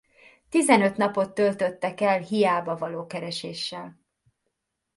Tizenöt napot töltöttek el hiábavaló kereséssel.